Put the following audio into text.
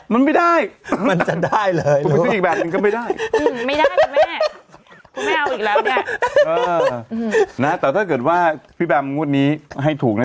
มันไม่ได้เขาทำได้ก็ไม่ได้แต่เกิดว่าพี่แบมพูดนี้ให้ถูกนะ